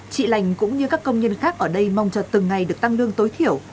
chị lành cũng như các công nhân khác ở đây mong cho từng ngày được tăng lương tối thiểu